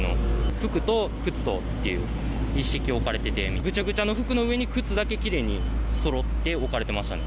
服と靴とっていう、一式置かれてて、ぐちゃぐちゃの服の上に靴だけきれいにそろって置かれてましたね。